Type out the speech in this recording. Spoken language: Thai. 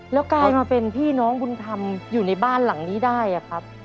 แล้วกลายมาเป็นพี่น้องบุญธรรมอยู่ในบ้านหลังนี้ได้อะครับ